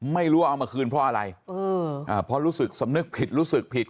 ไม่รู้ว่าเอามาคืนเพราะอะไรเพราะรู้สึกสำนึกผิดรู้สึกผิด